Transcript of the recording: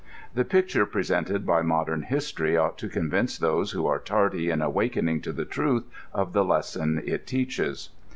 Tbe picture presented by modern bistory ougbt to Convince tbose wbo are tardy in awakening to tbe trutb of t)io lei^n it teacbes.